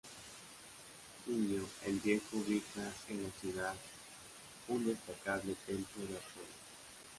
Plinio el Viejo ubica en la ciudad un destacable templo de Apolo.